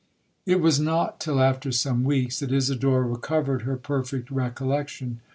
'It was not till after some weeks, that Isidora recovered her perfect recollection.